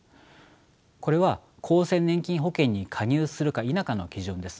これは厚生年金保険に加入するか否かの基準です。